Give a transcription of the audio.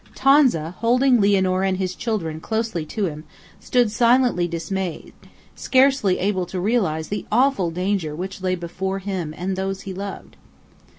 Tonza, holding Lianor and his children closely to him, stood silently dismayed, scarcely able to realize the awful danger which lay before him and those he loved.